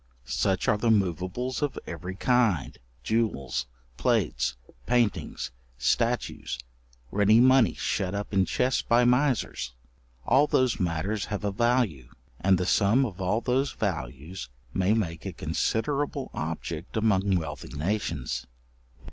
Such are the moveables of every kind; jewels, plates, paintings, statues, ready money shut up in chests by misers: all those matters have a value, and the sum of all those values may make a considerable object among wealthy nations.